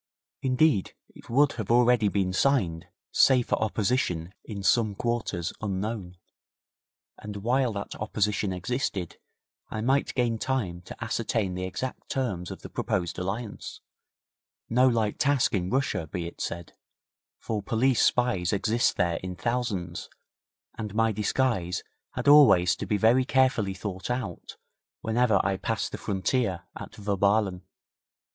Indeed, it would have already been signed save for opposition in some quarters unknown, and while that opposition existed I might gain time to ascertain the exact terms of the proposed alliance no light task in Russia, be it said, for police spies exist there in thousands, and my disguise had always to be very carefully thought out whenever I passed the frontier at Wirballen.